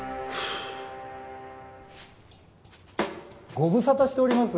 ご無沙汰しております。